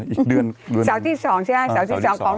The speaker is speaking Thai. อีกเรื่อง